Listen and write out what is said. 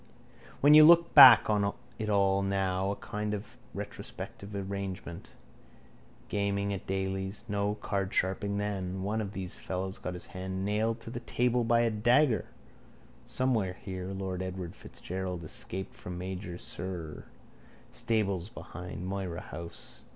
When you look back on it all now in a kind of retrospective arrangement. Gaming at Daly's. No cardsharping then. One of those fellows got his hand nailed to the table by a dagger. Somewhere here lord Edward Fitzgerald escaped from major Sirr. Stables behind Moira house.